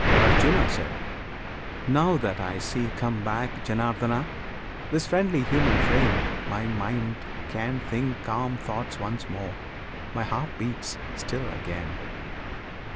Arjuna. Now that I see come back, Janardana! This friendly human frame, my mind can think Calm thoughts once more; my heart beats still again!